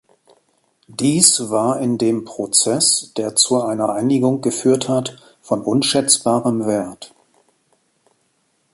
Dies war in dem Prozess, der zu einer Einigung geführt hat, von unschätzbarem Wert.